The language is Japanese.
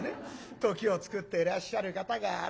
時を作っていらっしゃる方がある。